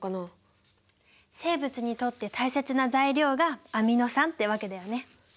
生物にとって大切な材料がアミノ酸ってわけだよね。